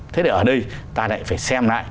thế ở đây ta lại phải xem lại